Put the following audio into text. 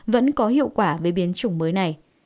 vẫn có hiệu quả với biến chủng mới này